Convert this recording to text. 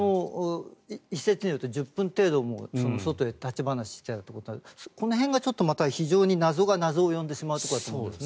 一説によると１０分程度も外で立ち話をしていたということでこの辺がちょっとまた謎が謎を呼んでしまう感じがします。